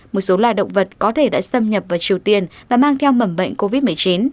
một số loài động vật có thể đã xâm nhập vào triều tiên và mang theo mầm bệnh covid một mươi chín